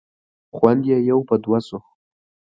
خوند یې یو په دوه شو.